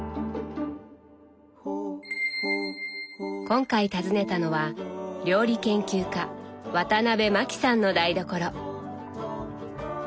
今回訪ねたのは料理研究家ワタナベマキさんの台所。